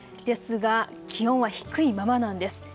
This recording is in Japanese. ですが気温は低いままなんです。